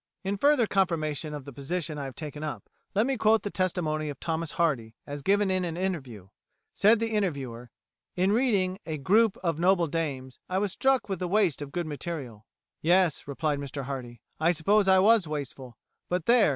In further confirmation of the position I have taken up, let me quote the testimony of Thomas Hardy as given in an interview. Said the interviewer "In reading 'A Group of Noble Dames,' I was struck with the waste of good material." "Yes," replied Mr Hardy, "I suppose I was wasteful. But, there!